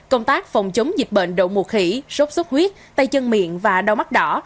công tác phòng chống dịch bệnh đậu mùa khỉ sốt sốt huyết tay chân miệng và đau mắt đỏ